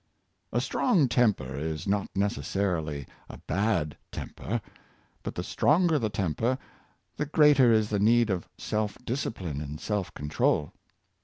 A strong temper is not necessarily a bad temper. But the stronger the temper, the greater is the need of self discipline and self control.